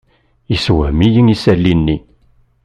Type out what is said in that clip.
Yessewhem-iyi isali-nni.